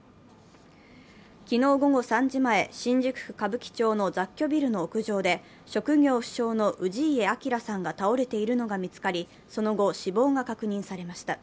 昨日午後３時前、新宿区歌舞伎町の雑居ビルの屋上で、職業不詳の氏家彰さんが倒れているのが見つかり、その後、死亡が確認されました。